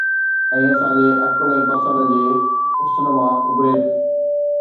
۽ اسان جي عقل ۽ پسند جي حسن مان اڀري